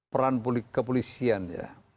peran kepolisian ya